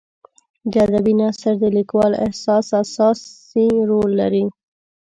د ادبي نثر د لیکوال احساس اساسي رول لري.